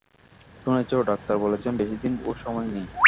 শুনেইছ doctor বলেছেন বেশিদিন ওঁর সময় নেই।